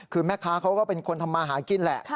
คือแม่ค้าเขาก็เป็นคนทำมาหากินแหละ